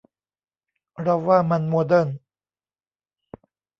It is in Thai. เราว่ามันโมเดิร์น